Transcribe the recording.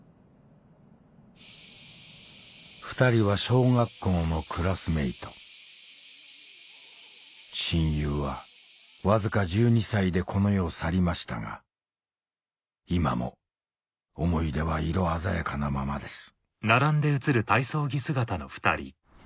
２人は小学校のクラスメート親友はわずか１２歳でこの世を去りましたが今も思い出は色鮮やかなままです